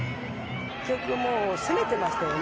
結局、もう攻めてましたよね。